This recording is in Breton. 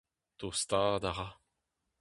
Tostaat a ra.